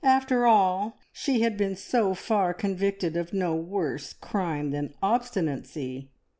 After all, she had so far been convicted of no worse crime than obstinacy.